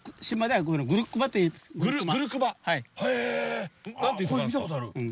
あっこれ見たことある！